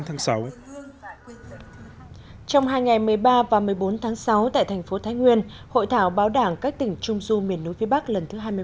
trong hai ngày một mươi ba và một mươi bốn tháng sáu tại thành phố thái nguyên hội thảo báo đảng các tỉnh trung du miền núi phía bắc lần thứ hai mươi năm